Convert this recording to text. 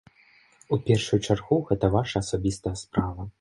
У першую чаргу, гэта ваша асабістая справа.